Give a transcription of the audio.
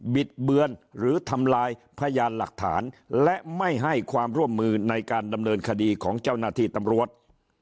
ิดเบือนหรือทำลายพยานหลักฐานและไม่ให้ความร่วมมือในการดำเนินคดีของเจ้าหน้าที่ตำรวจ